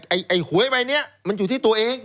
ไอ้หวยใบนี้มันอยู่ที่ตัวเอง